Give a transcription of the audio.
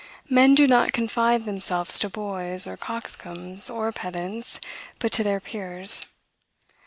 Men do not confide themselves to boys, or coxcombs, or pedants, but to their peers.